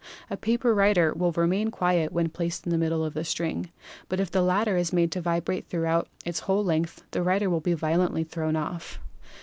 A paper rider will remain quiet when placed in the middle of the string, but if the latter is made to vibrate throughout its whole length the rider will be violently thrown off.